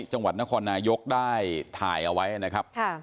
จังหวัดนครนายกได้ถ่ายเอาไว้นะครับ